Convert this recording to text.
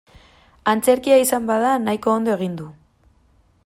Antzerkia izan bada nahiko ondo egin du.